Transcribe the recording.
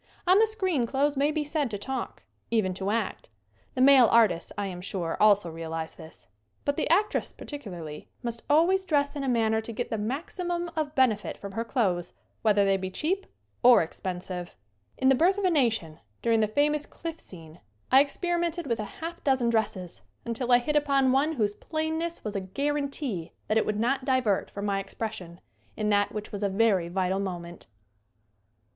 On the screen clothes may be said to talk ; even to act. The male artists, I am sure, also realize this. But the actress, particularly, must always dress in a manner to get the maxi mum of benefit from her clothes whether they be cheap or expensive. 72 SCREEN ACTING In "The Birth of a Nation" during the fa mous cliff scene I experimented with a half dozen dresses until I hit upon one whose plain ness was a guarantee that it would not divert from my expression in that which was a very vital moment.